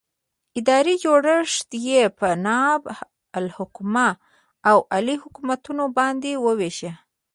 ادارې جوړښت یې په نائب الحکومه او اعلي حکومتونو باندې وویشه.